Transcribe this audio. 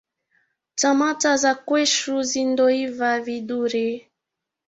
Tamata za kwechu zindoiva vidhuri